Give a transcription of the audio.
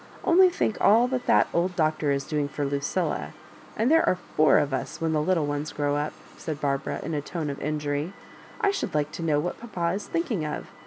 Only think all that that old Doctor is doing for Lucilla ; and there are four of us when the little ones grow up," said Barbara, in a tone of injury. " I should like to know what papa is thinking of?